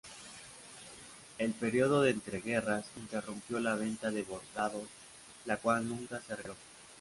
El periodo de entreguerras interrumpió la venta de bordados, la cual nunca se recuperó.